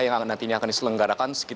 yang nantinya akan diselenggarakan